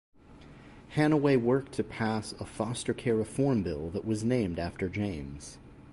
Hanaway worked to pass a foster care reform bill that was named after James.